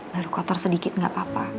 baru kotor sedikit nggak apa apa